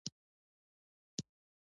غوښتل یې څه پر ولیکم.